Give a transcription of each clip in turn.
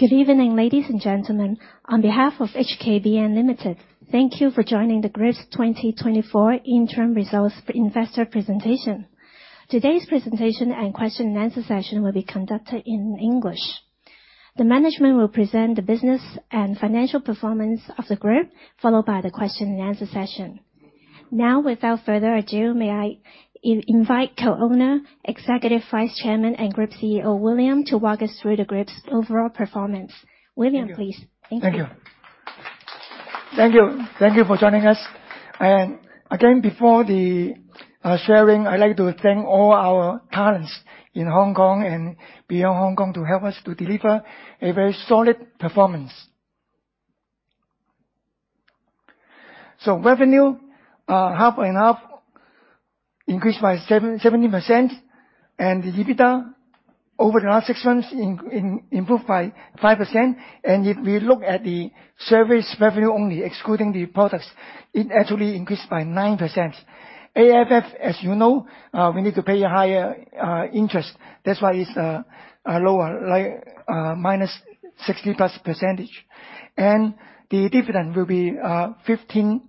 Good evening, ladies and gentlemen. On behalf of HKBN Limited, thank you for joining the Group 2024 Interim Results Investor Presentation. Today's presentation and question-and-answer session will be conducted in English. The management will present the business and financial performance of the GRIP, followed by the question-and-answer session. Now, without further ado, may I invite co-owner, Executive Vice-chairman, and GRIP CEO William to walk us through the GRIP's overall performance. William, please. Thank you. Thank you. Thank you for joining us. And again, before the sharing, I'd like to thank all our talents in Hong Kong and beyond Hong Kong to help us to deliver a very solid performance. So revenue, half and half, increased by 70%. And the EBITDA over the last six months improved by 5%. And if we look at the service revenue only, excluding the products, it actually increased by 9%. AFF, as you know, we need to pay a higher interest. That's why it's lower, -60+%. And the dividend will be 0.15,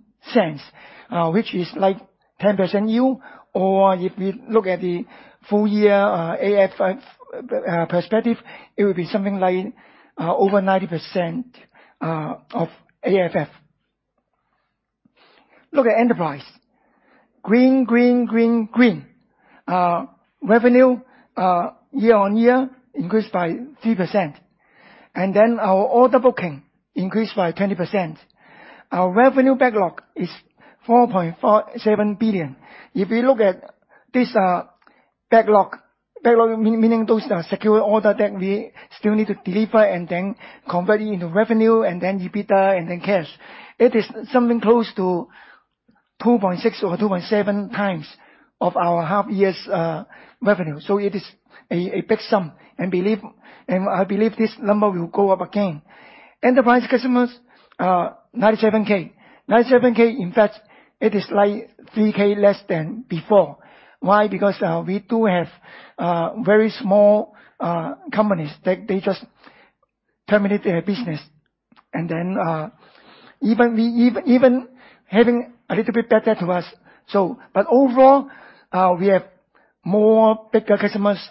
which is like 10% yield. Or if we look at the full-year AFF perspective, it will be something like over 90% of AFF. Look at enterprise. Green, green, green, green. Revenue, year-on-year, increased by 3%. And then our order booking increased by 20%. Our revenue backlog is 4.47 billion. If we look at this backlog, backlog meaning those secure orders that we still need to deliver and then convert it into revenue and then EBITDA and then cash, it is something close to 2.6 or 2.7 times of our half-year revenue. So it is a big sum. I believe this number will go up again. Enterprise customers, 97,000. 97,000, in fact, it is like 3,000 less than before. Why? Because we do have very small companies that they just terminate their business. Even having a little bit better to us. But overall, we have bigger customers,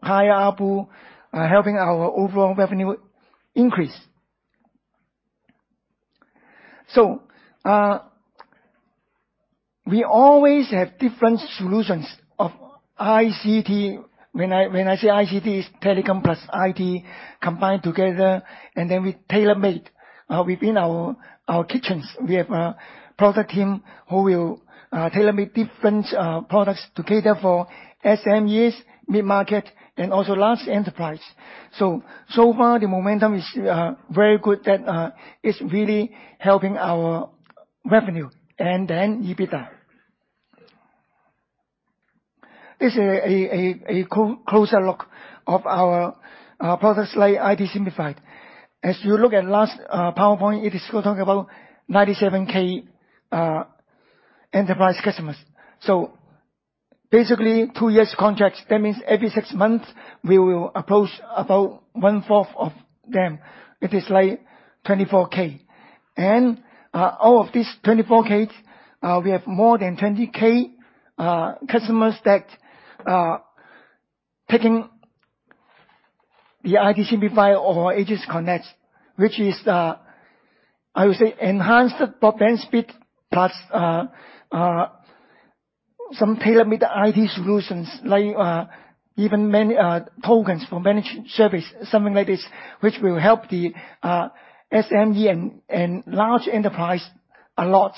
higher ARPU, helping our overall revenue increase. So we always have different solutions of ICT. When I say ICT, it's telecom plus IT combined together. We tailor-made within our kitchens. We have a product team who will tailor-made different products to cater for SMEs, mid-market, and also large enterprise. So far, the momentum is very good that it's really helping our revenue and then EBITDA. This is a closer look of our products like IT. Simplified. As you look at last PowerPoint, it is talking about 97,000 enterprise customers. So basically, two-year contracts. That means every six months, we will approach about 1/4 of them. It is like 24,000. And all of these 24,000, we have more than 20,000 customers that are taking the IT. Simplified or AegisConnect, which is, I would say, enhanced broadband speed plus some tailor-made IT solutions, like even tokens for managed service, something like this, which will help the SME and large enterprise a lot.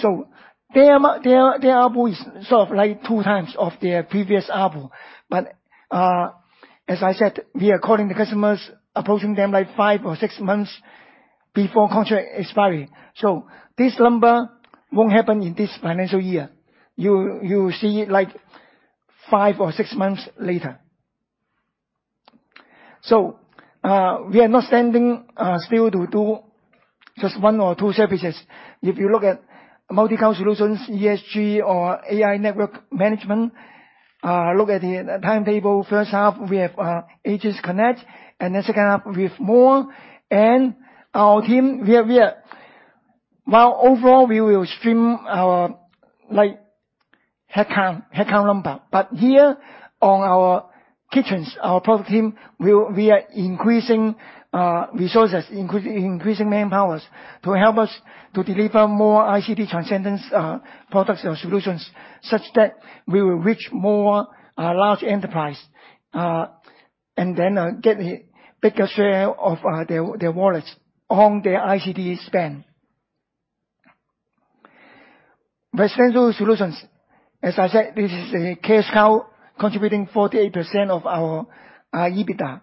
So their ARPU is sort of like two times of their previous ARPU. But as I said, we are calling the customers, approaching them like five or six months before contract expiry. So this number won't happen in this financial year. You'll see it like five or six months later. So we are not standing still to do just one or two services. If you look at Multicloud solutions, ESG, or AI Network Management, look at the timetable. First half, we have AegisConnect. Then second half, we have more. Our team, we are overall, we will stream our headcount number. But here on our kitchens, our product team, we are increasing resources, increasing manpowers to help us to deliver more ICT transcendent products or solutions such that we will reach more large enterprise and then get a bigger share of their wallets on their ICT span. Residential solutions, as I said, this is a cash cow contributing 48% of our EBITDA.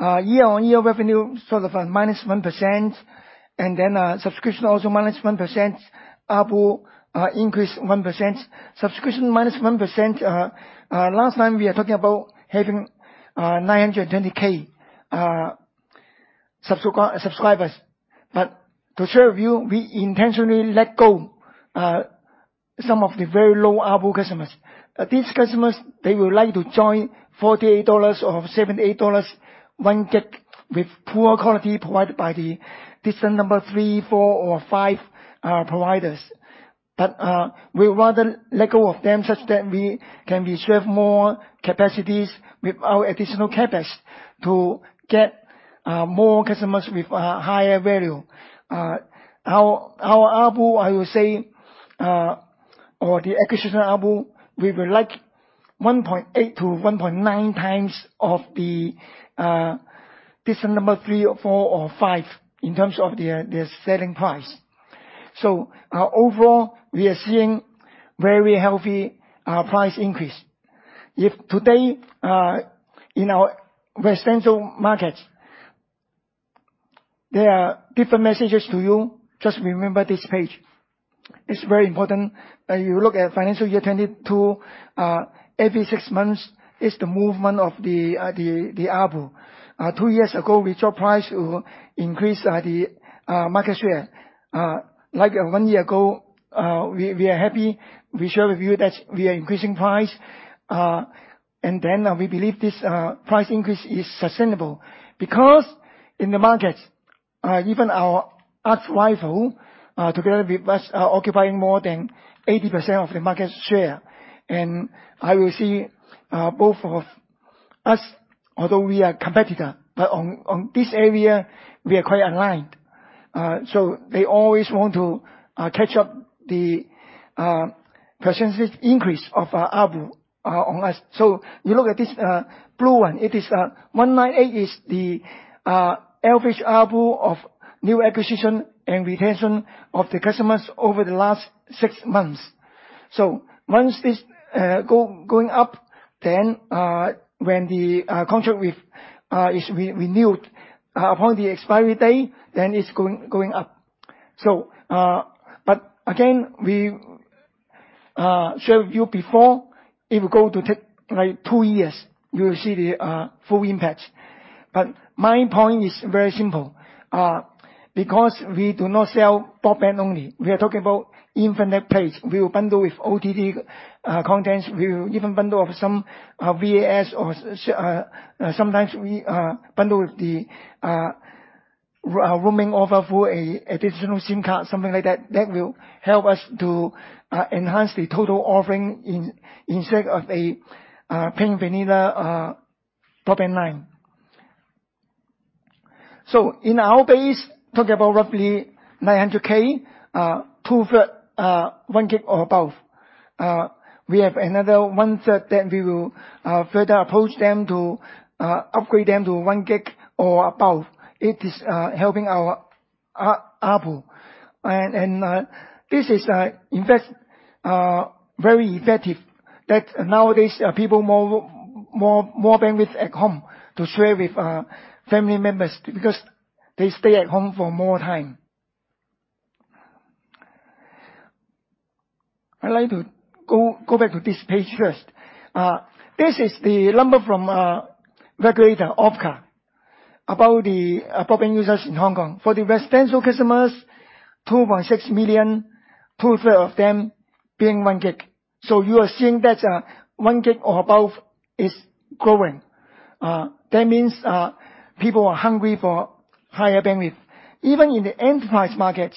Year-on-year revenue sort of -1%. Then subscription also -1%. ARPU increased 1%. Subscription -1%. Last time, we were talking about having 920,000 subscribers. But to share with you, we intentionally let go of some of the very low ARPU customers. These customers, they will like to join 48 dollars or 78 dollars, 1 Gb with poor quality provided by the distant number three, four, or five providers. But we would rather let go of them such that we can reserve more capacities with our additional CapEx to get more customers with higher value. Our ARPU, I would say, or the acquisition ARPU, we would like 1.8x-1.9x of the distant number three, four, or five in terms of their selling price. So overall, we are seeing very healthy price increase. If today, in our residential markets, there are different messages to you, just remember this page. It's very important. You look at financial year 2022, every six months, it's the movement of the ARPU. Two years ago, we saw price increase the market share. Like one year ago, we are happy. We share with you that we are increasing price. And then we believe this price increase is sustainable because in the markets, even our arch-rival together with us are occupying more than 80% of the market share. And I will see both of us, although we are competitors, but on this area, we are quite aligned. So they always want to catch up the percentage increase of our ARPU on us. So you look at this blue one, it is 198 is the average ARPU of new acquisition and retention of the customers over the last six months. So once this going up, then when the contract is renewed upon the expiry day, then it's going up. But again, we share with you before, it will go to take like two years. You will see the full impact. But my point is very simple because we do not sell broadband only. We are talking about infinite-play. We will bundle with OTT contents. We will even bundle with some VAS or sometimes we bundle with the roaming offer for an additional SIM card, something like that. That will help us to enhance the total offering instead of a plain vanilla broadband line. So in our base, talking about roughly 900,000, 2/3, 1 Gb or above. We have another 1/3 that we will further approach them to upgrade them to 1 Gb or above. It is helping our ARPU. And this is, in fact, very effective. Nowadays, people have more bandwidth at home to share with family members because they stay at home for more time. I'd like to go back to this page first. This is the number from regulator OFCA about the broadband users in Hong Kong. For the residential customers, 2.6 million, 2/3 of them being 1 Gb. So you are seeing that 1 Gb or above is growing. That means people are hungry for higher bandwidth. Even in the enterprise markets,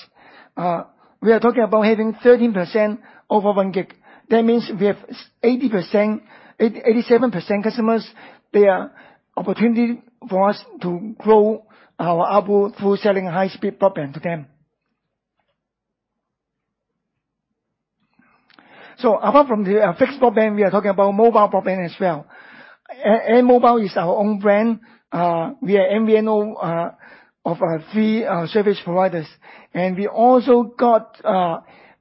we are talking about having 13% over 1 Gb. That means we have 87% customers. There are opportunities for us to grow our ARPU through selling high-speed broadband to them. So apart from the fixed broadband, we are talking about mobile broadband as well. N Mobile is our own brand. We are MVNO of three service providers. And we also got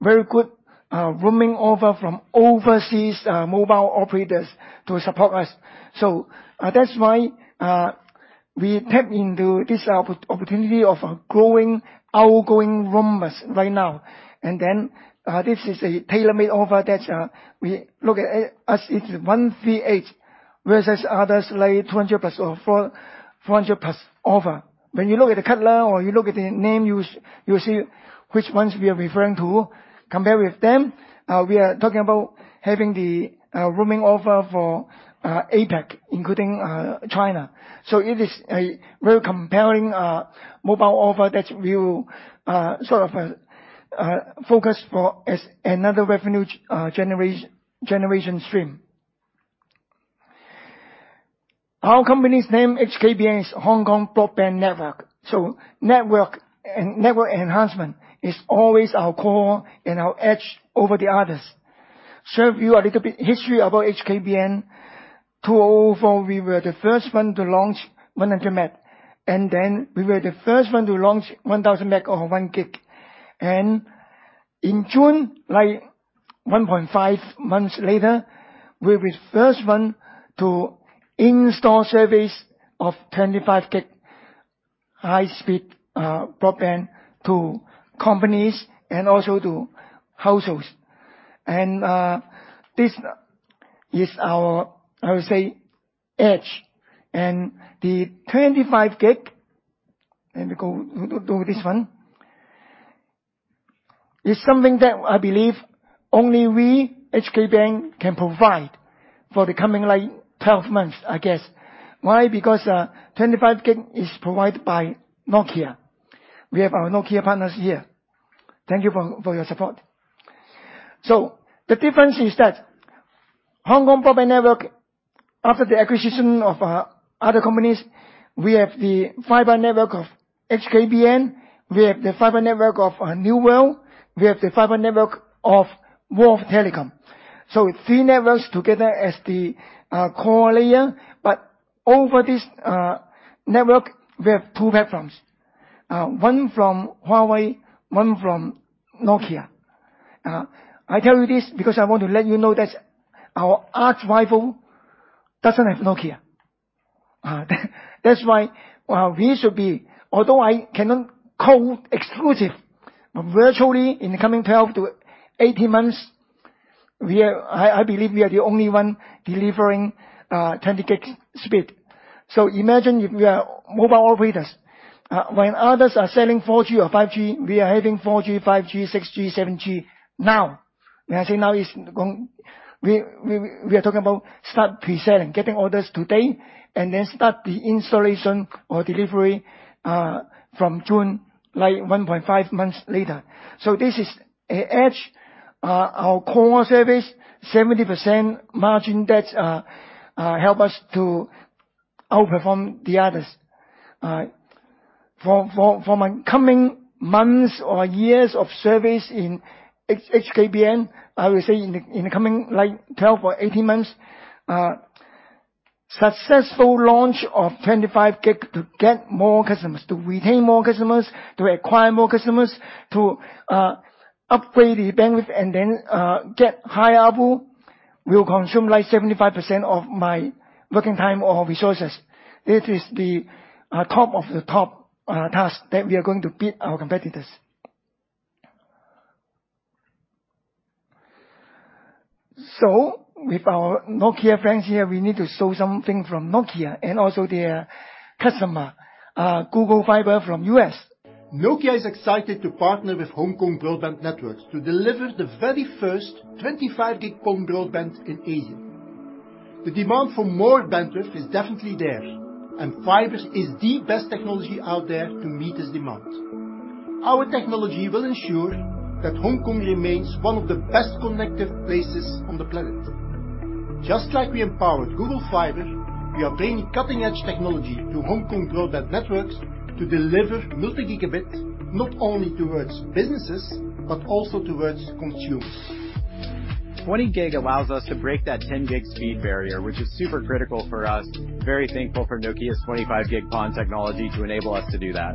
very good roaming offer from overseas mobile operators to support us. So that's why we tap into this opportunity of growing outgoing roamers right now. And then this is a tailor-made offer that we look at us. It's 138 versus others like 200+ or 400+ offer. When you look at the color or you look at the name, you'll see which ones we are referring to. Compare with them, we are talking about having the roaming offer for APAC, including China. So it is a very compelling mobile offer that will sort of focus as another revenue generation stream. Our company's name, HKBN, is Hong Kong Broadband Network. So network enhancement is always our core and our edge over the others. Share with you a little bit history about HKBN. 2004, we were the first one to launch 100M. And then we were the first one to launch 1,000M or 1G. In June, like 1.5 months later, we were the first one to install service of 25 Gb high-speed broadband to companies and also to households. This is our, I would say, edge. The 25 Gb, let me go through this one, is something that I believe only we, HKBN, can provide for the coming 12 months, I guess. Why? Because 25 Gb is provided by Nokia. We have our Nokia partners here. Thank you for your support. So the difference is that Hong Kong Broadband Network, after the acquisition of other companies, we have the fiber network of HKBN. We have the fiber network of New World. We have the fiber network of Wharf T&T. So three networks together as the core layer. But over this network, we have two platforms, one from Huawei, one from Nokia. I tell you this because I want to let you know that our arch-rival doesn't have Nokia. That's why we should be, although I cannot call exclusive, but virtually in the coming 12-18 months, I believe we are the only one delivering 20 Gb speed. So imagine if we are mobile operators. When others are selling 4G or 5G, we are having 4G, 5G, 6G, 7G now. When I say now, it's going, we are talking about start preselling, getting orders today, and then start the installation or delivery from June, like 1.5 months later. So this is an edge. Our core service, 70% margin that helps us to outperform the others. For my coming months or years of service in HKBN, I will say in the coming 12 or 18 months, successful launch of 25G to get more customers, to retain more customers, to acquire more customers, to upgrade the bandwidth, and then get higher ARPU will consume like 75% of my working time or resources. This is the top of the top task that we are going to beat our competitors. So with our Nokia friends here, we need to show something from Nokia and also their customer, Google Fiber from the US. Nokia is excited to partner with Hong Kong Broadband Network to deliver the very first 25G PON broadband in Asia. The demand for more bandwidth is definitely there, and fiber is the best technology out there to meet this demand. Our technology will ensure that Hong Kong remains one of the best connected places on the planet. Just like we empowered Google Fiber, we are bringing cutting-edge technology to HKBN to deliver multi-Gigabit not only towards businesses but also towards consumers. 20 Gb allows us to break that 10 Gb speed barrier, which is super critical for us. Very thankful for Nokia's 25G PON technology to enable us to do that.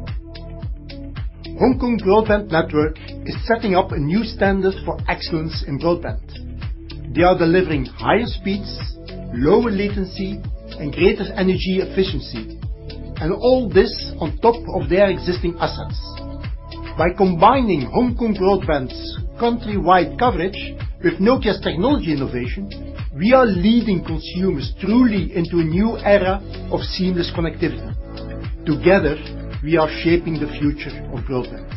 Hong Kong Broadband Network is setting up a new standard for excellence in broadband. They are delivering higher speeds, lower latency, and greater energy efficiency, and all this on top of their existing assets. By combining Hong Kong Broadband's countrywide coverage with Nokia's technology innovation, we are leading consumers truly into a new era of seamless connectivity. Together, we are shaping the future of broadband.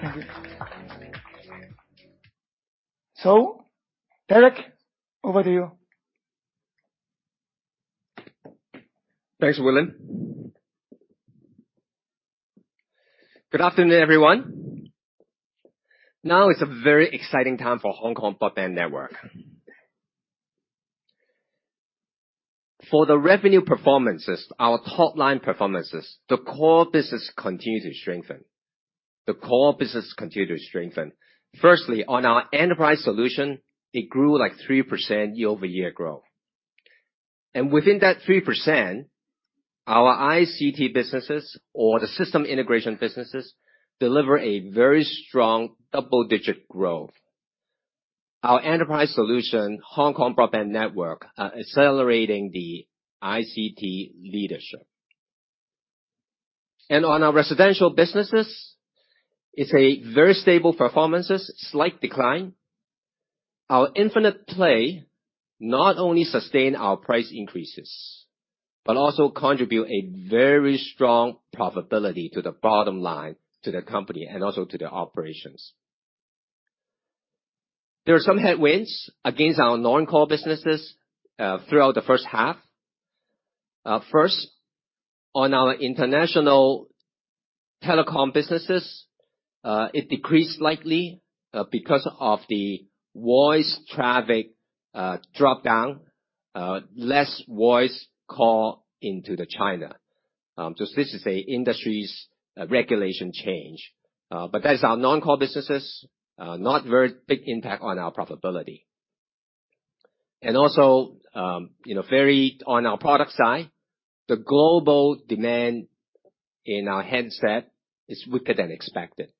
Thank you. So Derek, over to you. Thanks, William. Good afternoon, everyone. Now is a very exciting time for Hong Kong Broadband Network. For the revenue performances, our top-line performances, the core business continues to strengthen. The core business continues to strengthen. Firstly, on our enterprise solution, it grew like 3% year-over-year growth. And within that 3%, our ICT businesses or the system integration businesses deliver a very strong double-digit growth. Our enterprise solution, Hong Kong Broadband Network, is accelerating the ICT leadership. And on our residential businesses, it's very stable performances, slight decline. Our Infinite-play not only sustains our price increases but also contributes a very strong profitability to the bottom line, to the company, and also to the operations. There are some headwinds against our non-core businesses throughout the first half. First, on our international telecom businesses, it decreased slightly because of the voice traffic dropdown, less voice calls into China. So this is an industry regulation change. But that is our non-core businesses, not a very big impact on our profitability. And also, on our product side, the global demand in our handset is weaker than expected.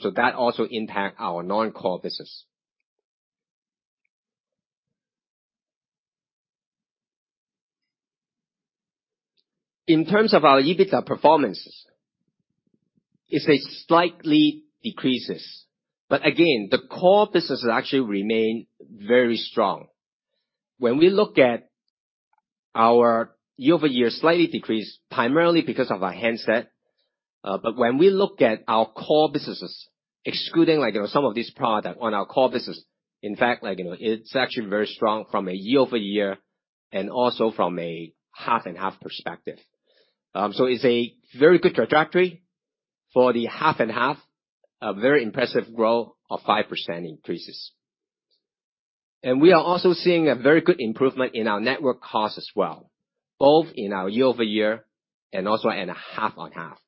So that also impacts our non-core business. In terms of our EBITDA performances, it slightly decreases. But again, the core businesses actually remain very strong. When we look at our year-over-year slightly decrease, primarily because of our handset. But when we look at our core businesses, excluding some of these products on our core business, in fact, it's actually very strong from a year-over-year and also from a half-on-half perspective. So it's a very good trajectory for the half-on-half, a very impressive growth of 5% increases. And we are also seeing a very good improvement in our network costs as well, both in our year-over-year and also at a half-on-half.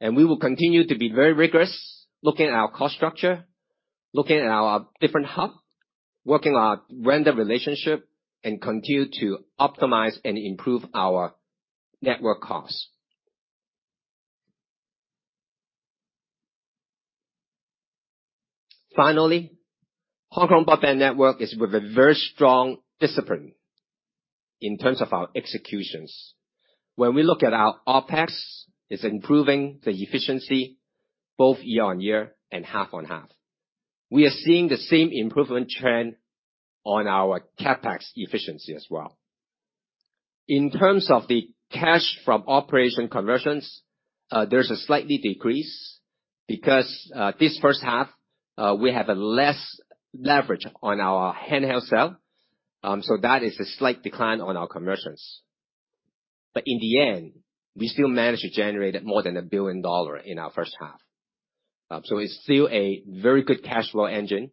We will continue to be very rigorous looking at our cost structure, looking at our different hubs, working on our vendor relationship, and continue to optimize and improve our network costs. Finally, Hong Kong Broadband Network is with a very strong discipline in terms of our executions. When we look at our OpEx, it's improving the efficiency both year-on-year and half-on-half. We are seeing the same improvement trend on our CapEx efficiency as well. In terms of the cash from operation conversions, there's a slight decrease because this first half, we have less leverage on our handheld sale. So that is a slight decline on our conversions. But in the end, we still managed to generate more than 1 billion dollar in our first half. So it's still a very good cash flow engine,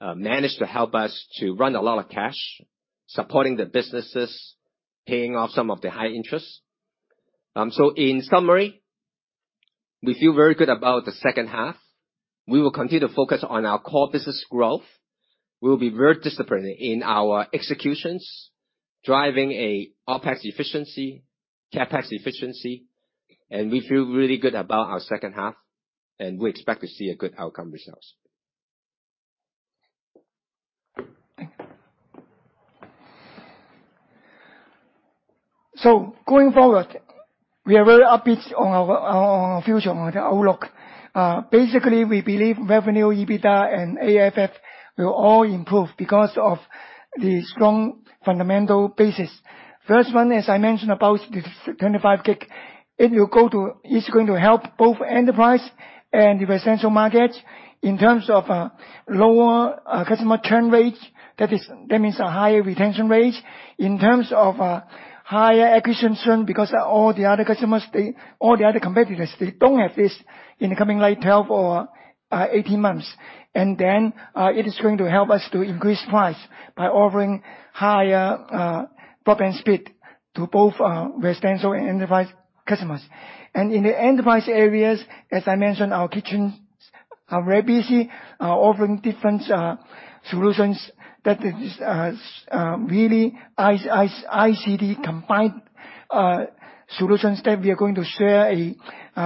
managed to help us to run a lot of cash, supporting the businesses, paying off some of the high interest. So in summary, we feel very good about the second half. We will continue to focus on our core business growth. We will be very disciplined in our executions, driving an OpEx efficiency, CapEx efficiency. And we feel really good about our second half. And we expect to see good outcome results. Thank you. So going forward, we are very upbeat on our future, on the outlook. Basically, we believe revenue, EBITDA, and AFF will all improve because of the strong fundamental basis. First one, as I mentioned about the 25 Gb, it is going to help both enterprise and the residential markets in terms of lower customer turn rate. That means a higher retention rate in terms of higher acquisition because all the other customers, all the other competitors, they don't have this in the coming 12 or 18 months. And then it is going to help us to increase price by offering higher broadband speed to both residential and enterprise customers. And in the enterprise areas, as I mentioned, our consultants are very busy offering different solutions. That is really ICT combined solutions that we are going to share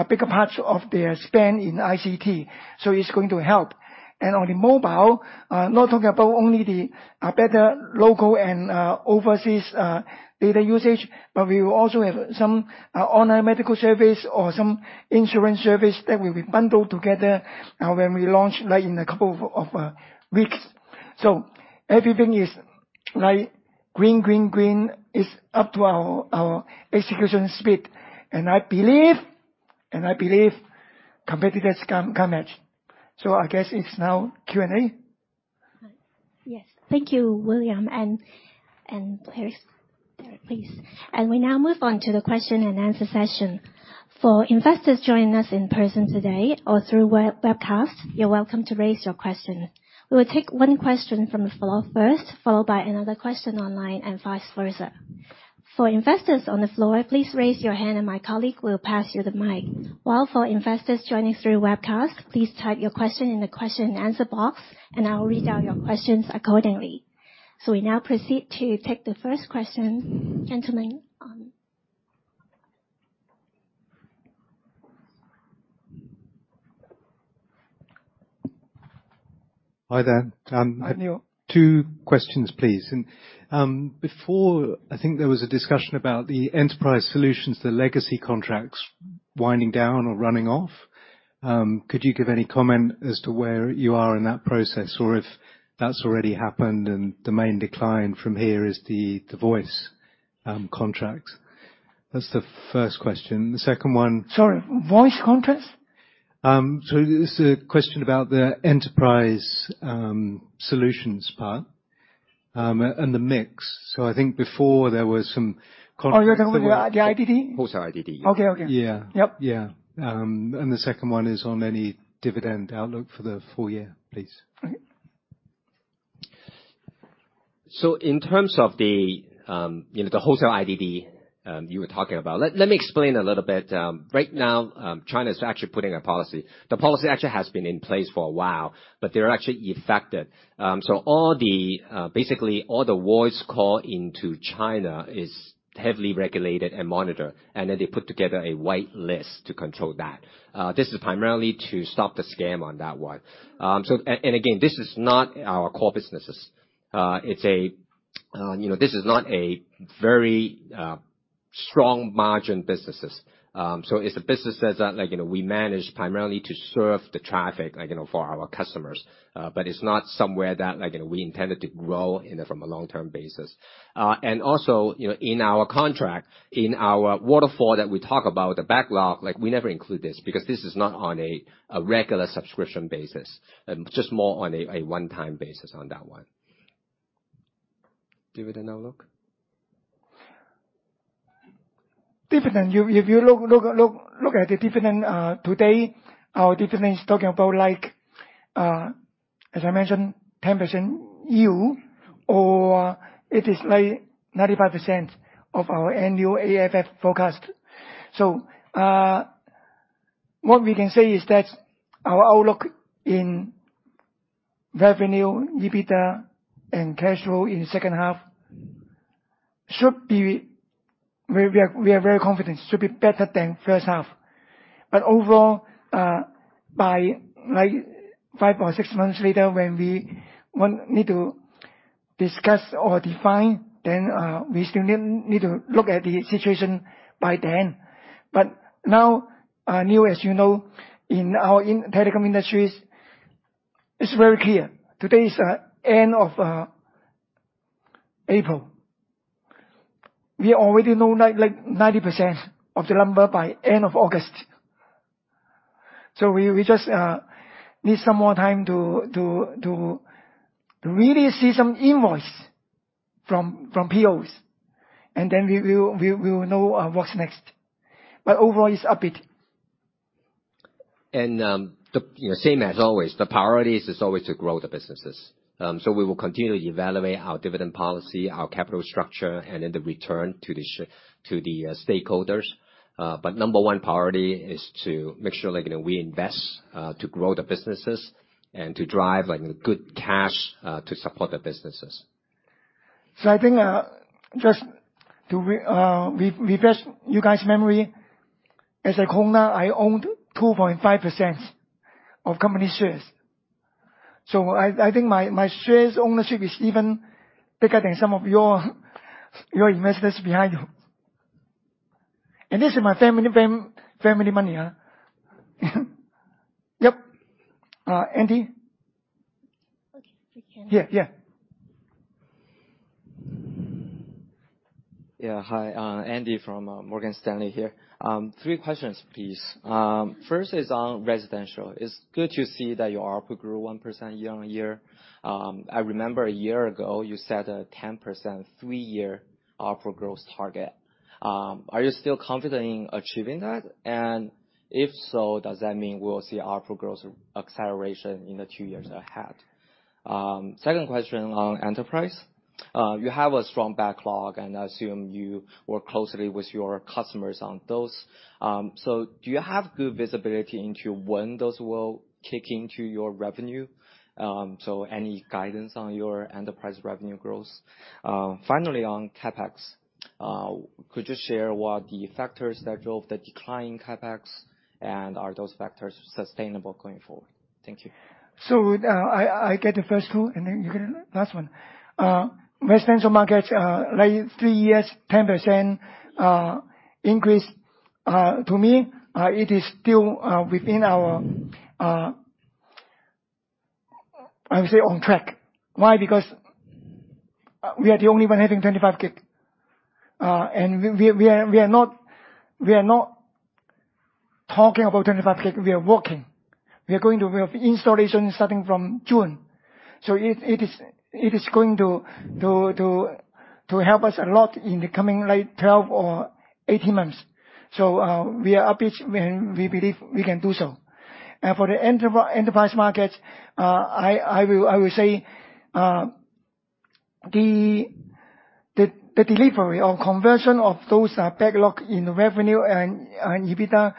bigger parts of their spend in ICT. So it's going to help. And on the mobile, not talking about only the better local and overseas data usage, but we will also have some online medical service or some insurance service that will be bundled together when we launch in a couple of weeks. So everything is green, green, green. It's up to our execution speed. And I believe, and I believe competitors can match. So I guess it's now Q&A. Yes. Thank you, William. And Derek, please. We now move on to the question-and-answer session. For investors joining us in person today or through webcast, you're welcome to raise your question. We will take one question from the floor first, followed by another question online, and vice versa. For investors on the floor, please raise your hand, and my colleague will pass you the mic. While for investors joining through webcast, please type your question in the question-and-answer box, and I will read out your questions accordingly. We now proceed to take the first question. Gentlemen. Hi there. Two questions, please. And before, I think there was a discussion about the enterprise solutions, the legacy contracts winding down or running off. Could you give any comment as to where you are in that process or if that's already happened and the main decline from here is the voice contracts? That's the first question. The second one. Sorry. Voice contracts? It's a question about the enterprise solutions part and the mix. So I think before there was some contracts. Oh, you're talking about the IDD? Also IDD, yeah. The second one is on any dividend outlook for the full year, please? Okay. So in terms of the wholesale IDD you were talking about, let me explain a little bit. Right now, China is actually putting a policy. The policy actually has been in place for a while, but they're actually effective. So basically, all the voice calls into China are heavily regulated and monitored, and then they put together a white list to control that. This is primarily to stop the scam on that one. And again, this is not our core businesses. This is not a very strong margin businesses. So it's a business that we manage primarily to serve the traffic for our customers, but it's not somewhere that we intended to grow from a long-term basis. Also, in our contract, in our waterfall that we talk about, the backlog, we never include this because this is not on a regular subscription basis, just more on a one-time basis on that one. Dividend outlook? Dividend. If you look at the dividend today, our dividend is talking about, as I mentioned, 10% yield, or it is 95% of our annual AFF forecast. So what we can say is that our outlook in revenue, EBITDA, and cash flow in the second half should be, we are very confident, should be better than first half. But overall, by five or six months later, when we need to discuss or define, then we still need to look at the situation by then. But now, as you know, in our telecom industries, it's very clear. Today is the end of April. We already know 90% of the number by the end of August. So we just need some more time to really see some invoices from POs, and then we will know what's next. But overall, it's upbeat. Same as always, the priority is always to grow the businesses. We will continue to evaluate our dividend policy, our capital structure, and then the return to the stakeholders. Number one priority is to make sure we invest to grow the businesses and to drive good cash to support the businesses. So I think just to refresh you guys' memory, as a co-owner, I owned 2.5% of company shares. So I think my shares ownership is even bigger than some of your investors behind you. And this is my family money. Yep. Andy? Here. Yeah. Yeah. Hi. Andy from Morgan Stanley here. Three questions, please. First is on residential. It's good to see that your output grew 1% year-on-year. I remember a year ago, you set a 10% three-year output growth target. Are you still confident in achieving that? And if so, does that mean we will see output growth acceleration in the two years ahead? Second question on enterprise. You have a strong backlog, and I assume you work closely with your customers on those. So do you have good visibility into when those will kick into your revenue? So any guidance on your enterprise revenue growth? Finally, on CapEx, could you share what the factors that drove the decline in CapEx, and are those factors sustainable going forward? Thank you. So I get the first two, and then you get the last one. Residential markets, three years, 10% increase. To me, it is still within our, I would say, on track. Why? Because we are the only one having 25 Gb. And we are not talking about 25 Gb. We are working. We are going to have installation starting from June. So it is going to help us a lot in the coming 12 or 18 months. So we are upbeat, and we believe we can do so. And for the enterprise markets, I will say the delivery or conversion of those backlogs in revenue and EBITDA,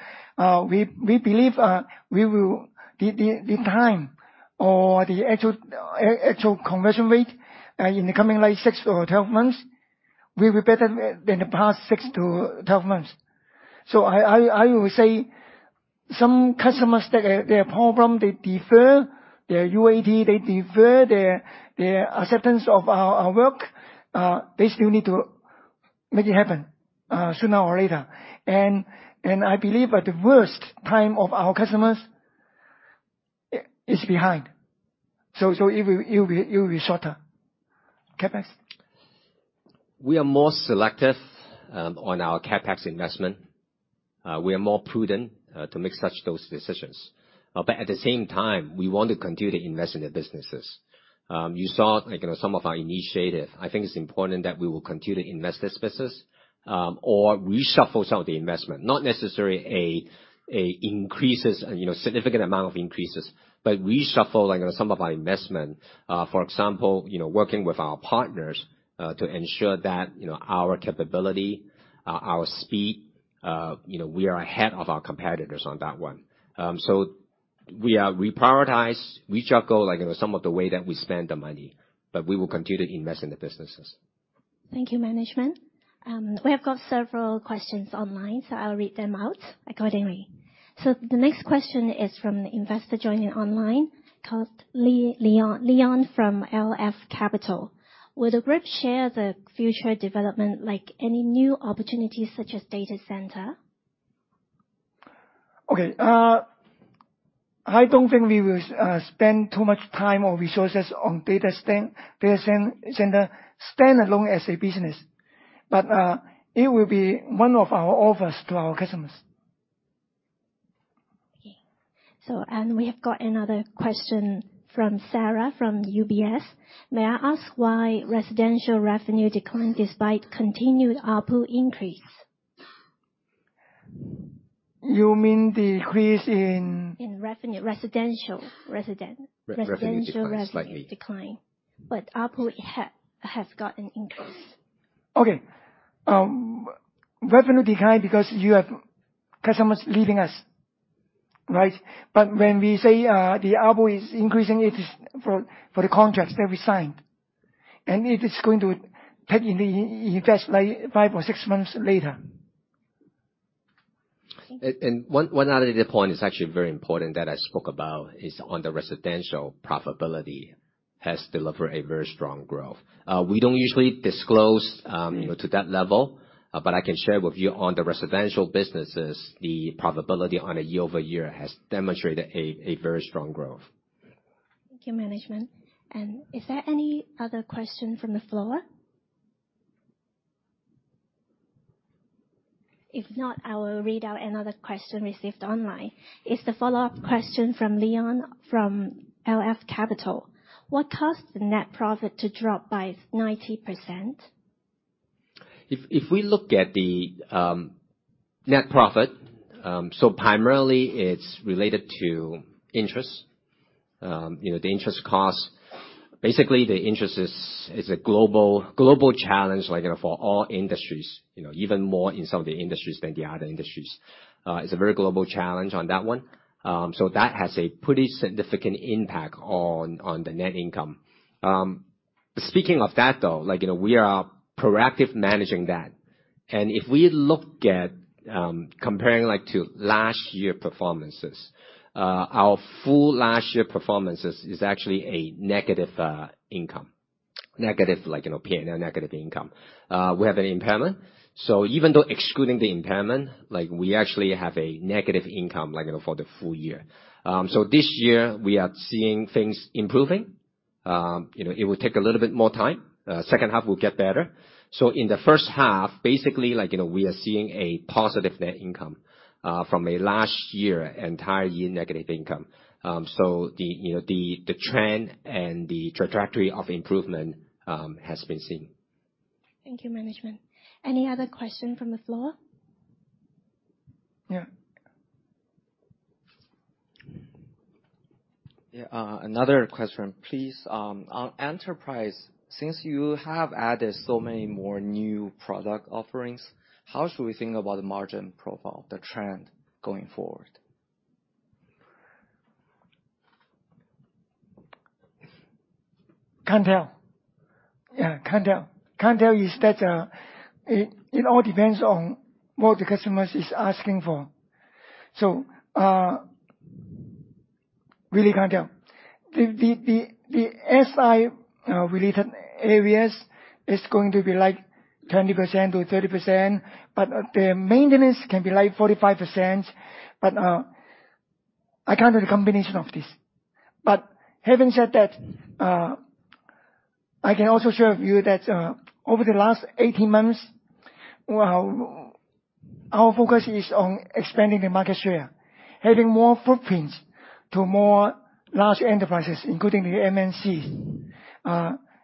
we believe the time or the actual conversion rate in the coming 6 or 12 months, we will be better than the past 6-12 months. So I will say some customers, their problem, they defer. Their UAT, they defer their acceptance of our work. They still need to make it happen sooner or later. And I believe the worst time of our customers is behind. So it will be shorter. CapEx? We are more selective on our CapEx investment. We are more prudent to make such decisions. But at the same time, we want to continue to invest in the businesses. You saw some of our initiative. I think it's important that we will continue to invest this business or reshuffle some of the investment, not necessarily significant amount of increases, but reshuffle some of our investment. For example, working with our partners to ensure that our capability, our speed, we are ahead of our competitors on that one. So we are reprioritize, rejuggle some of the way that we spend the money. But we will continue to invest in the businesses. Thank you, management. We have got several questions online, so I'll read them out accordingly. So the next question is from the investor joining online called Leon from LF Capital. Will the group share the future development, any new opportunities such as data center? Okay. I don't think we will spend too much time or resources on data center standalone as a business. But it will be one of our offers to our customers. Okay. We have got another question from Sarah from UBS. May I ask why residential revenue declined despite continued output increase? You mean decrease in? In revenue, residential revenue declined. But output has gotten increased. Okay. Revenue declined because you have customers leaving us, right? But when we say the output is increasing, it is for the contracts that we signed. It is going to take at least five or six months later. One other point is actually very important that I spoke about is on the residential profitability has delivered a very strong growth. We don't usually disclose to that level, but I can share with you on the residential businesses, the profitability on a year-over-year has demonstrated a very strong growth. Thank you, management. And is there any other question from the floor? If not, I will read out another question received online. It's the follow-up question from Leon from LF Capital. What caused the net profit to drop by 90%? If we look at the net profit, primarily, it's related to interest. The interest cost, basically, the interest is a global challenge for all industries, even more in some of the industries than the other industries. It's a very global challenge on that one. So that has a pretty significant impact on the net income. Speaking of that, though, we are proactive managing that. If we look at comparing to last year performances, our full last year performances is actually a negative income, negative P&L, negative income. We have an impairment. So even though excluding the impairment, we actually have a negative income for the full year. So this year, we are seeing things improving. It will take a little bit more time. Second half will get better. So in the first half, basically, we are seeing a positive net income from last year, entire year negative income. The trend and the trajectory of improvement has been seen. Thank you, management. Any other question from the floor? Yeah. Yeah. Another question, please. Since you have added so many more new product offerings, how should we think about the margin profile, the trend going forward? Can't tell. Yeah. Can't tell. Can't tell is that it all depends on what the customer is asking for. So really can't tell. The SI-related areas is going to be 20%-30%, but the maintenance can be 45%. But I can't do the combination of this. But having said that, I can also share with you that over the last 18 months, our focus is on expanding the market share, having more footprints to more large enterprises, including the MNCs,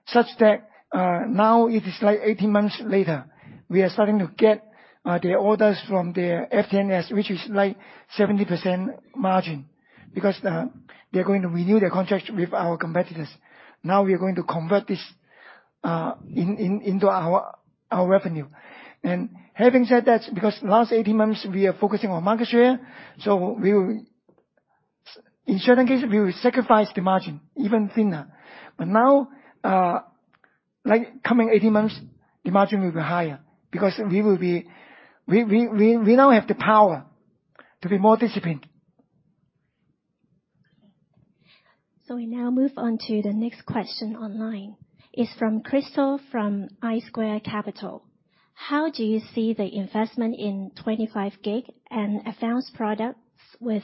such that now it is 18 months later, we are starting to get the orders from their FTNS, which is 70% margin because they are going to renew their contracts with our competitors. Now we are going to convert this into our revenue. And having said that, because last 18 months, we are focusing on market share, so in certain cases, we will sacrifice the margin, even thinner. Now, coming 18 months, the margin will be higher because we now have the power to be more disciplined. Okay. We now move on to the next question online. It's from Crystal from iSquared Capital. How do you see the investment in 25 Gb and advanced products with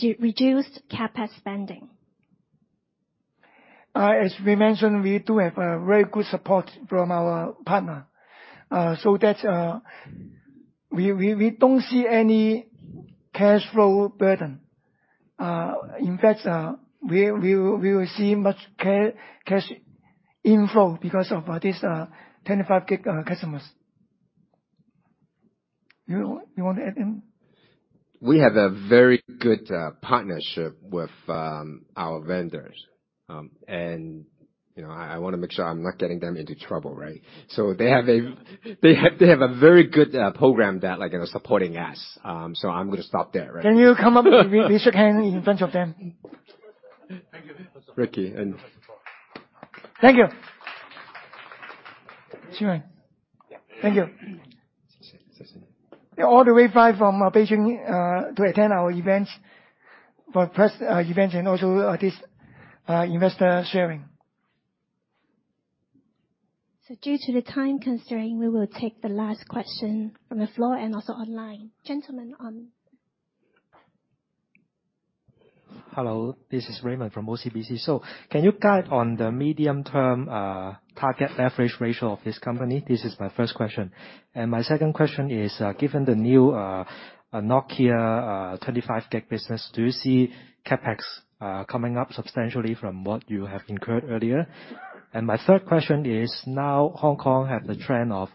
reduced CapEx spending? As we mentioned, we do have very good support from our partner. We don't see any cash flow burden. In fact, we will see much cash inflow because of these 25 Gb customers. You want to add anything? We have a very good partnership with our vendors. And I want to make sure I'm not getting them into trouble, right? So they have a very good program that is supporting us. So I'm going to stop there, right? Can you come up with Mr. Kang in front of them? Thank you. Ricky. Thank you. [Shing Fai]. Thank you. All the way fly from Beijing to attend our events and also this investor sharing. Due to the time constraints, we will take the last question from the floor and also online. Gentlemen on? Hello. This is Raymond from OCBC. So can you guide on the medium-term target leverage ratio of this company? This is my first question. And my second question is, given the new Nokia 25 Gb business, do you see CapEx coming up substantially from what you have incurred earlier? And my third question is, now Hong Kong has a trend of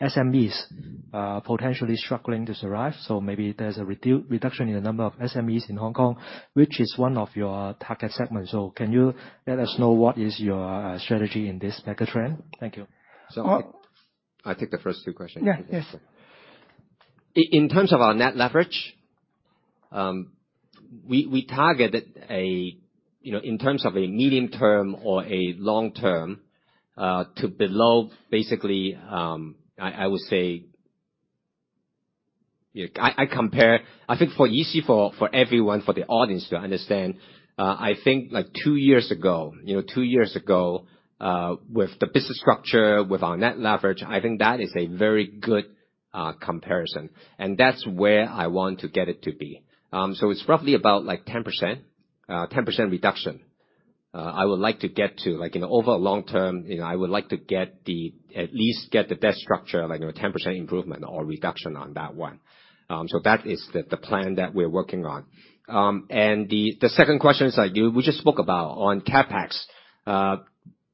SMEs potentially struggling to survive. So maybe there's a reduction in the number of SMEs in Hong Kong, which is one of your target segments. So can you let us know what is your strategy in this megatrend? Thank you. I'll take the first two questions. Yeah. Yeah. In terms of our net leverage, we targeted in terms of a medium-term or a long-term to below. Basically, I would say, I think, for ease for everyone, for the audience to understand, I think two years ago, with the business structure, with our net leverage, I think that is a very good comparison. And that's where I want to get it to be. So it's roughly about 10% reduction. I would like to get to over a long term. I would like to at least get the best structure, 10% improvement or reduction on that one. So that is the plan that we're working on. And the second question is, we just spoke about on CapEx.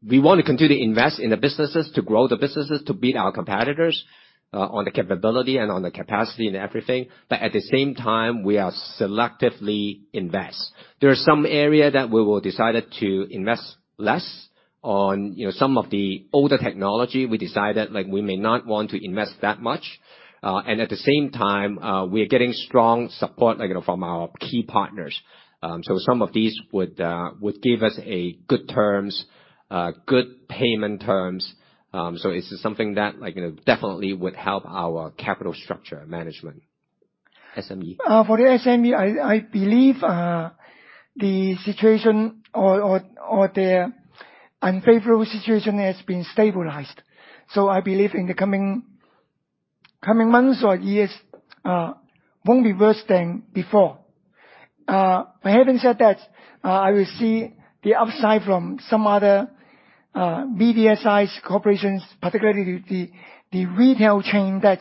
We want to continue to invest in the businesses to grow the businesses, to beat our competitors on the capability and on the capacity and everything. But at the same time, we are selectively invest. There are some areas that we will decide to invest less. On some of the older technology, we decided we may not want to invest that much. And at the same time, we are getting strong support from our key partners. So some of these would give us good terms, good payment terms. So it's something that definitely would help our capital structure management. SME? For the SME, I believe the situation or the unfavorable situation has been stabilized. So I believe in the coming months or years won't be worse than before. But having said that, I will see the upside from some other medium-sized corporations, particularly the retail chain that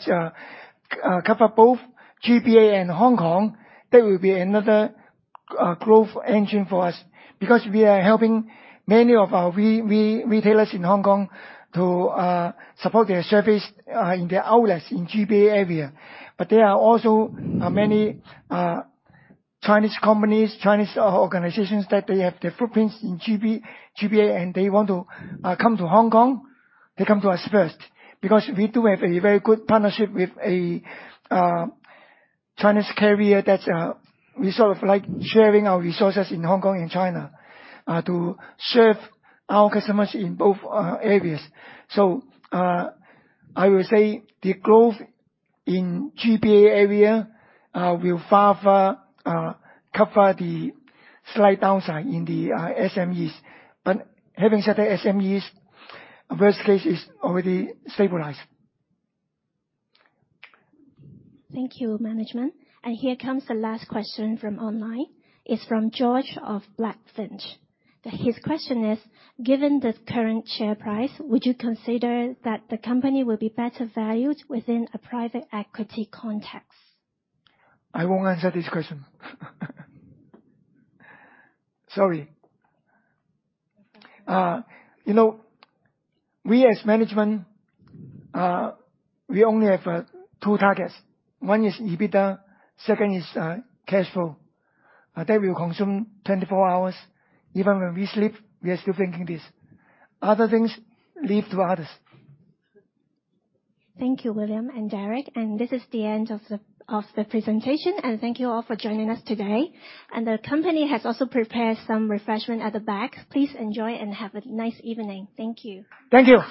cover both GBA and Hong Kong. That will be another growth engine for us because we are helping many of our retailers in Hong Kong to support their service in their outlets in GBA area. But there are also many Chinese companies, Chinese organizations that they have their footprints in GBA, and they want to come to Hong Kong, they come to us first because we do have a very good partnership with a Chinese carrier that we sort of like sharing our resources in Hong Kong and China to serve our customers in both areas. I will say the growth in GBA area will far, far cover the slight downside in the SMEs. But having said that, SMEs, worst case is already stabilized. Thank you, management. Here comes the last question from online. It's from George of Blackfinch. His question is, given the current share price, would you consider that the company will be better valued within a private equity context? I won't answer this question. Sorry. We, as management, we only have two targets. One is EBITDA. Second is cash flow. That will consume 24 hours. Even when we sleep, we are still thinking this. Other things leave to others. Thank you, William and Derek. This is the end of the presentation. Thank you all for joining us today. The company has also prepared some refreshment at the back. Please enjoy and have a nice evening. Thank you. Thank you.